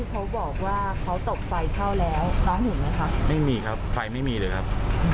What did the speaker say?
เขาบอกว่าเขาตกไฟเข้าแล้วน้องเห็นไหมคะไม่มีครับไฟไม่มีเลยครับ